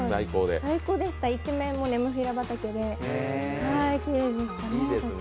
最高でしたね、一面ネモフィラ畑でとってもきれいでした。